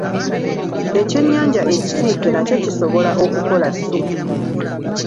Ekyennyanja ekisiike nakyo kisobola okukola ssupu.